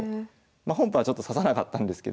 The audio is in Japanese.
まあ本譜はちょっと指さなかったんですけど。